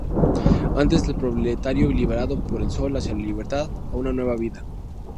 Antes el proletario liberado por el sol hacia la libertad, a una nueva vida.